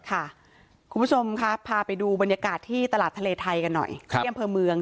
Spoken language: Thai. ค่ะคุณผู้ชมคะพาไปดูบรรยากาศที่ตลาดทะเลไทยกันหน่อย